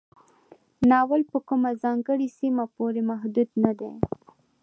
ناول په کومه ځانګړې سیمه پورې محدود نه دی.